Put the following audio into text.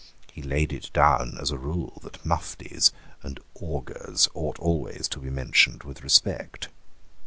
He laid it down as a rule that Muftis and Augurs ought always to be mentioned with respect.